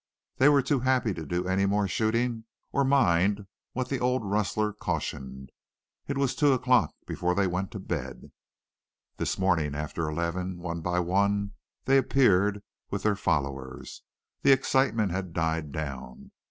They were too happy to do any more shooting or mind what the old rustler cautioned. It was two o'clock before they went to bed. "This morning, after eleven, one by one they appeared with their followers. The excitement had died down.